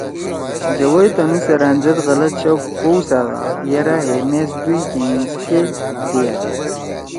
جَوئی تنُو سیرأن زید غلط شک کؤسیدا یرأ ہے میس دُوئی کینگس کے دیئا۔